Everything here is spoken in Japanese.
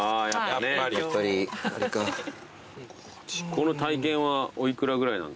この体験はお幾らぐらいなんですか？